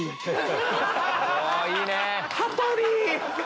羽鳥！